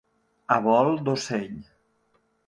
A vol d'ocell.